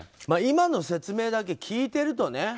今の説明だけ聞いてるとね。